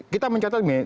kita mencatat ini